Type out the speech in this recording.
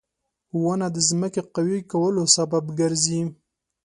• ونه د ځمکې قوي کولو سبب ګرځي.